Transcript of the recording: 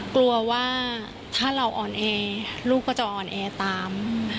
กลัวว่าถ้าเราอ่อนแอลูกก็จะอ่อนแอตาม